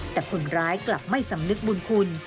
แต่คนร้ายกลับไม่สำนึกบุญคุณ